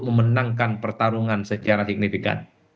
memenangkan pertarungan secara signifikan